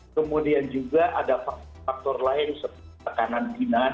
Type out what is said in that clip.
kemudian juga ada faktor lain seperti tekanan binas